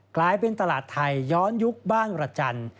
กลายเป็นตลาดไทยย้อนยุคบ้านระจันทร์